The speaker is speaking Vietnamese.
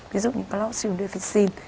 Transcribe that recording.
ví dụ như clostridium difficile